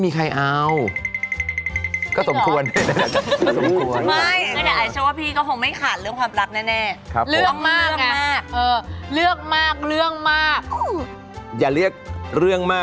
พี่คุณแต่งงานได้แล้วไง